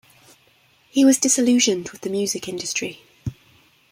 He was disillusioned with the music industry.